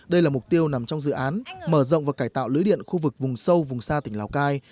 đây là mục tiêu nằm trong dự án mở rộng và cải tạo lưới điện khu vực vùng sâu vùng xa tỉnh lào cai